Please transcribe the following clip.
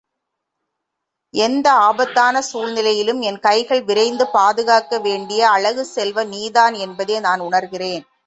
எந்த ஆபத்தான சூழ்நிலையிலும் என் கைகள் விரைந்து பாதுகாக்க வேண்டிய அழகுச் செல்வம் நீதான் என்பதை நான் உணர்கிறேன்.